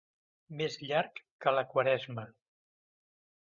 Més llarg que la Quaresma.